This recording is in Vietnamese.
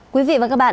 quý vị và các bạn